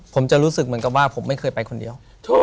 ผมจะรู้สึกเหมือนกับว่าผมไม่เคยไปคนเดียว